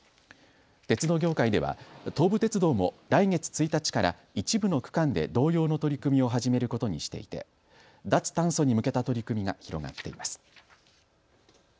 鉄道業界では東武鉄道も来月１日から一部の区間で同様の取り組みを始めることにしていて脱炭素に向けた取り組みが広がっています。